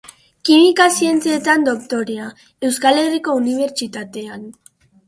Kimika Zientzietan doktorea, Euskal Herriko Unibertsitatean.